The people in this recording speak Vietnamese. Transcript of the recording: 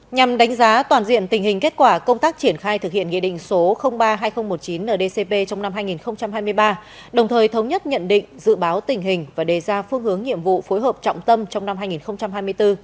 nhằm đánh giá toàn diện tình hình kết quả công tác triển khai thực hiện nghị định số ba hai nghìn một mươi chín ndcp trong năm hai nghìn hai mươi ba đồng thời thống nhất nhận định dự báo tình hình và đề ra phương hướng nhiệm vụ phối hợp trọng tâm trong năm hai nghìn hai mươi bốn